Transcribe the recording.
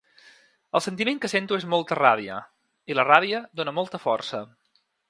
El sentiment que sento és molta ràbia, i la ràbia dóna molta força.